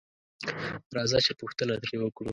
راځه چې پوښتنه تري وکړو